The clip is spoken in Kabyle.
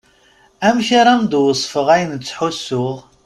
Amek ara am-d-wesfeɣ ayen ttḥussuɣ.